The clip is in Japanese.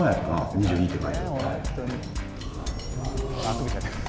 ２２って書いてる。